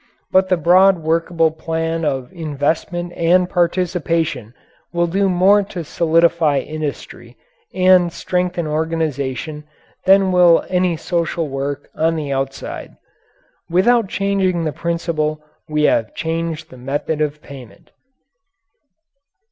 But the broad workable plan of investment and participation will do more to solidify industry and strengthen organization than will any social work on the outside. Without changing the principle we have changed the method of payment.